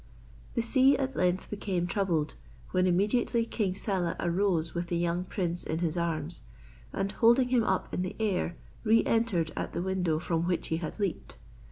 The sea at length became troubled, when immediately King Saleh arose with the young prince in his arms, and holding him up in the air, reentered at the window from which he had leaped.